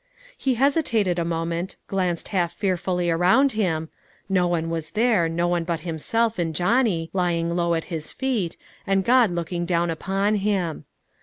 He hesitated a moment, glanced half fearfully around him, no one was there, no one but himself, and Johnny, lying low at his feet, and God looking down upon him.